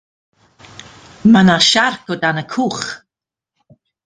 Mae 'na siarc o dan y cwch.